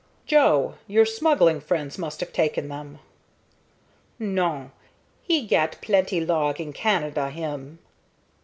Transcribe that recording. "Joe, your smuggling friends must have taken them." "Non. He gat plenty log in Canada, him."